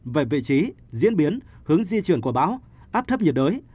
về vị trí diễn biến hướng di chuyển của bão áp thấp nhiệt đới